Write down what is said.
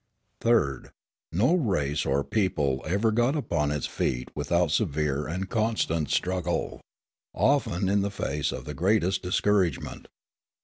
Third. No race or people ever got upon its feet without severe and constant struggle, often in the face of the greatest discouragement.